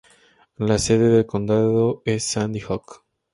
La sede de condado es Sandy Hook.